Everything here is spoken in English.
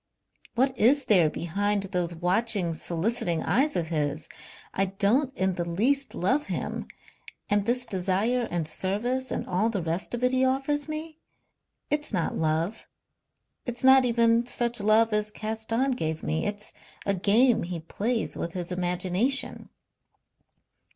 What is there behind those watching, soliciting eyes of his? I don't in the least love him, and this desire and service and all the rest of it he offers me it's not love. It's not even such love as Caston gave me. It's a game he plays with his imagination."